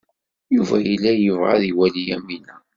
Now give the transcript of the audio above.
Yuba yella yebɣa ad iwali Yamina.